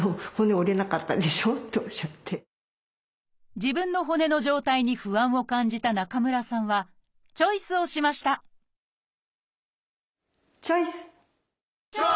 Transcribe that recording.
自分の骨の状態に不安を感じた中村さんはチョイスをしましたチョイス！